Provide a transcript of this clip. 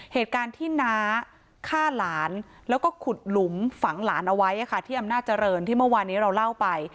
เหตุการณ์ที่น้าฆ่าหลานแล้วก็ขุดหลุมฝังหลานเอาไว้ที่อำนาจเจริญที่เมื่อวานนี้เราเล่าไป